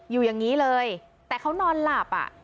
อยู่อย่างนี้เลยแต่เขานอนหลับอ่ะ